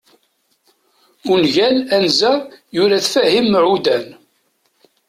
ungal anza, yura-t Fahim Meɛudan